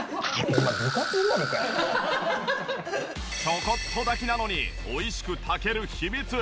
ちょこっと炊きなのに美味しく炊ける秘密。